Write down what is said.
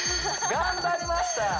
頑張りました！